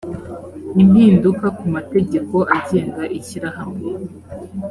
impinduka ku mategeko agenga ishyirahamwe